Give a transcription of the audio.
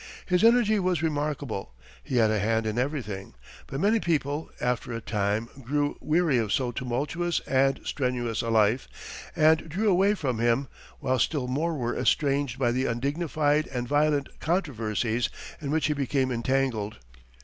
His energy was remarkable; he had a hand in everything; but many people, after a time, grew weary of so tumultuous and strenuous a life, and drew away from him, while still more were estranged by the undignified and violent controversies in which he became entangled.